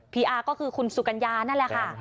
ีอาร์ก็คือคุณสุกัญญานั่นแหละค่ะ